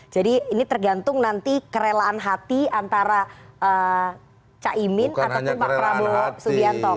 jadi ini tergantung nanti kerelaan hati antara caimin atau pak prabowo subianto